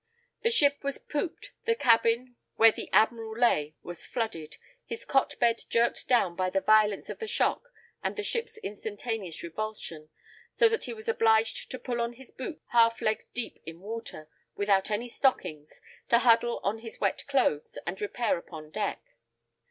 The ship was pooped, the cabin, where the Admiral lay was flooded, his cot bed jerked down by the violence of the shock and the ship's instantaneous revulsion, so that he was obliged to pull on his boots half leg deep in water, without any stockings, to huddle on his wet clothes, and repair upon deck.